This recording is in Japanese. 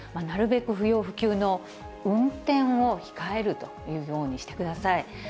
なるべく不要不急の運転を控えるというようにしてください。